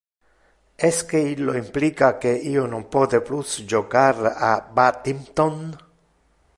Esque illo implica que io non pote plus jocar a badminton?